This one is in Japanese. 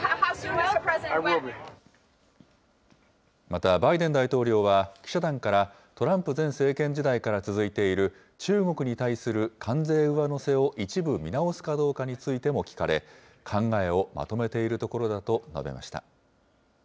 また、バイデン大統領は記者団から、トランプ前政権時代から続いている中国に対する関税上乗せを一部見直すかどうかについても聞かれ、考えをまとめているところだと述べました。